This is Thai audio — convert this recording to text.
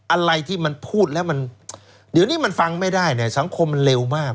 อะไรที่มันพูดแล้วมันเดี๋ยวนี้มันฟังไม่ได้เนี่ยสังคมมันเร็วมาก